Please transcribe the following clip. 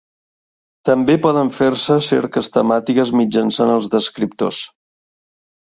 També poden fer-se cerques temàtiques mitjançant els descriptors.